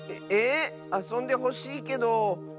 あそんでほしいけどだれ？